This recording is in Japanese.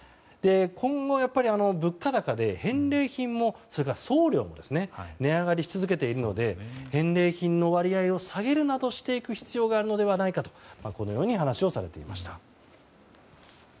今後、物価高で返礼品も、それから送料も値上がりし続けているので返礼品の割合を下げるなどしていく必要があるのではないかとこのように話をされていました。